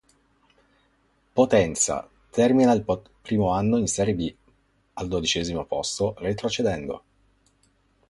Potenza" termina il primo anno in Serie B al dodicesimo posto retrocedendo.